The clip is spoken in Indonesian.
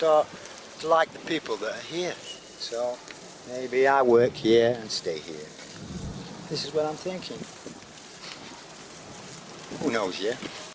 dan keluarga sekitar ramah kepadanya